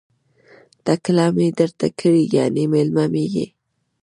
ټکله می درته کړې ،یعنی میلمه می يی